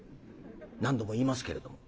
何度も言いますけれども。